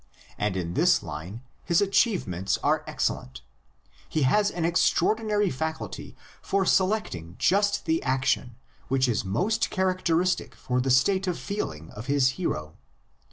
And in this line his achievements are excellent. He has an extraordinary faculty for selecting just the action which is most characteristic for the state of feeling of his hero.